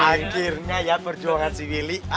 akhirnya ya perjuangan si willy